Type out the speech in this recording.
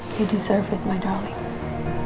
kamu berhak menerimanya sayangku